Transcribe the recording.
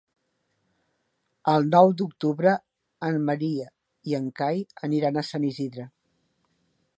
El nou d'octubre en Maria i en Cai aniran a Sant Isidre.